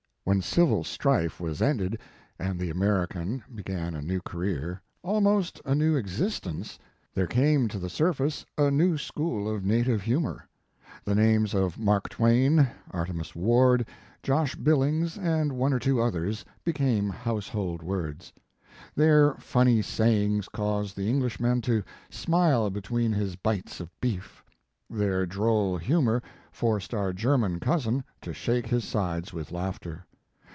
When civil strife was ended, and the American began a new career, almost a new existence, there came to the surface a new school of native humor. The names of Mark Twain, Artemus Ward, Josh Billings and one or two others, be came household words. Their funny sayings caused the Englishman to smile between his bites of beef. Their droll humor forced our German cousin to shake his sides with laughter.